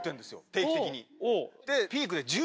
定期的に。